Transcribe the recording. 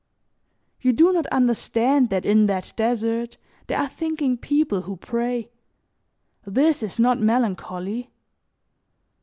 You do not understand that in that desert there are thinking people who pray. This is not Melancholy."